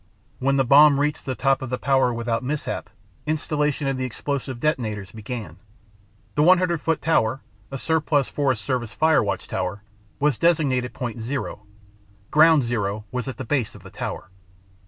When the bomb reached the top of the tower without mishap, installation of the explosive detonators began. The 100 foot tower (a surplus Forest Service fire watch tower) was designated Point Zero. Ground Zero was at the base of the tower.